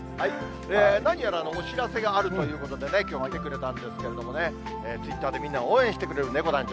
何やら、お知らせがあるということで、きょうは出てくれたんですけどもね、ツイッターでみんなを応援してくれるねこ団長。